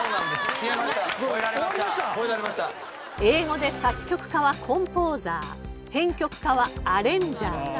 英語で作曲家はコンポーザー編曲家はアレンジャー。